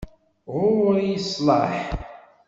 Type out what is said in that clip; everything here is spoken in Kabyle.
Ɣur-i sslaḥ.